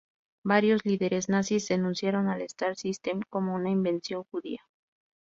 Varios líderes nazis denunciaron al star system como una invención judía.